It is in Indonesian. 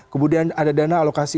kemudian ada dana alokasi